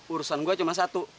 urusan gue cuma satu